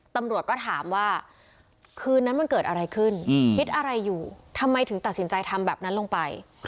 ตำรวจก็ถามว่าคืนนั้นมันเกิดอะไรขึ้นคิดอะไรอยู่ทำไมถึงตัดสินใจทำแบบนั้นลงไป